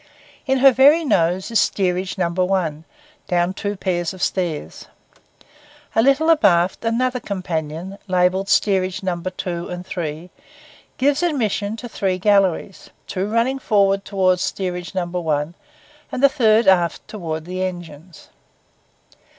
In her very nose is Steerage No. 1, down two pair of stairs. A little abaft, another companion, labelled Steerage No. 2 and 3, gives admission to three galleries, two running forward towards Steerage No. 1, and the third aft towards the engines.